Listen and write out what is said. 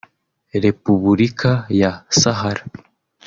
Repubulika ya Sahara